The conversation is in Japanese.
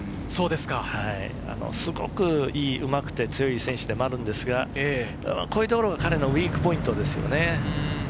すごくうまくて強い選手でもあるんですが、こういうところが彼のウイークポイントです。